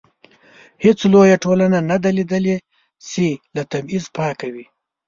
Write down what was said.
هیڅ لویه ټولنه نه ده لیدلې چې له تبعیض پاکه وي.